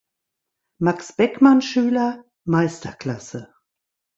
Max Beckmann-Schüler, Meisterklasse.